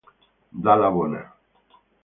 Dalla Bona